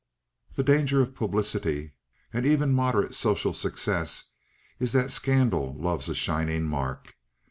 The danger of publicity, and even moderate social success, is that scandal loves a shining mark.